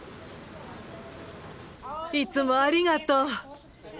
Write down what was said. いつもありがとう。